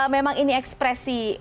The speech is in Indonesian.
memang ini ekspresi